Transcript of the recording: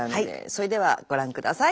それではご覧下さい。